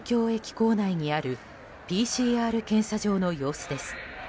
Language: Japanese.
構内にあるＰＣＲ検査場の様子です。